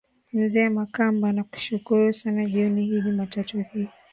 mzee makamba nakushukuru sana jioni hii jumatatu hii